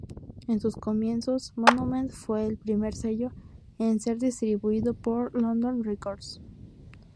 En sus comienzos, Monument fue el primer sello en ser distribuido por London Records.